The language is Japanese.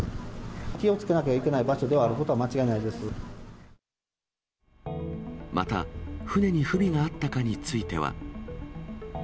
気をつけなきゃいけない場所であまた、船に不備があったかについては。